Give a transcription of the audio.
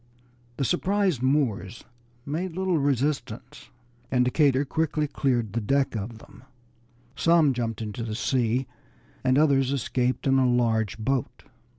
The surprised Moors made little resistance, and Decatur quickly cleared the deck of them; some jumped into the sea, and others escaped in a large boat.